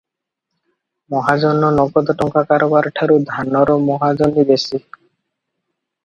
ମହାଜନ ନଗଦ ଟଙ୍କା କାରବାର ଠାରୁ ଧାନର ମହାଜନୀ ବେଶି ।